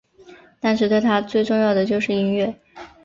当时对他最重要的就是音乐。